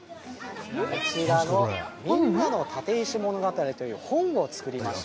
こちらの、みんなの立石物語という本を作りました。